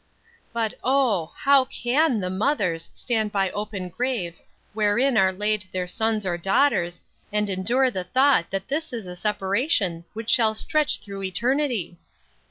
But, oh, how can the mothers stand by open graves wherein are laid their sons or daughters, and endure the thought that it is a separation that shall stretch through eternity!